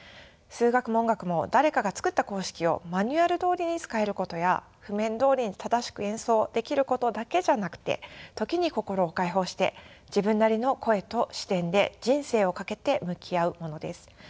数学も音楽も誰かが作った公式をマニュアルどおりに使えることや譜面どおりに正しく演奏できることだけじゃなくて時に心を開放して自分なりの声と視点で人生をかけて向き合うものです。